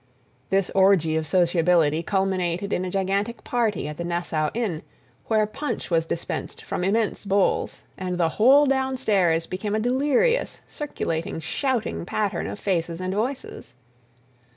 This orgy of sociability culminated in a gigantic party at the Nassau Inn, where punch was dispensed from immense bowls, and the whole down stairs became a delirious, circulating, shouting pattern of faces and voices.